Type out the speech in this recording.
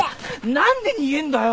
何で逃げんだよ。